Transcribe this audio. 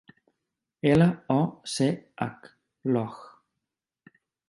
Ela o ce hac, loch.